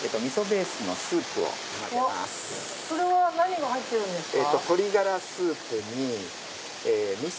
それは何が入ってるんですか？